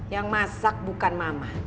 yang masak bukan mama